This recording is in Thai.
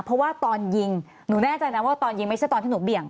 เพราะว่าตอนยิงหนูแน่ใจนะว่าตอนยิงไม่ใช่ตอนที่หนูเบี่ยง